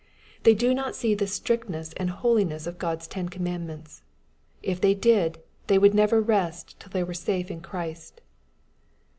They do not see the strict ness and holiness of Gtoi's Ten commandments. If they did, they would never rest till they were safe in Christ.